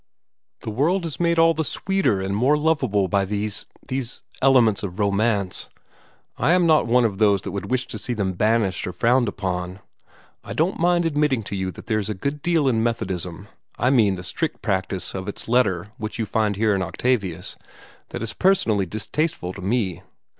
"The world is made all the sweeter and more lovable by these these elements of romance. I am not one of those who would wish to see them banished or frowned upon. I don't mind admitting to you that there is a good deal in Methodism I mean the strict practice of its letter which you find here in Octavius that is personally distasteful to me.